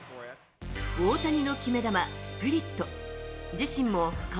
大谷の決め球、スプリット。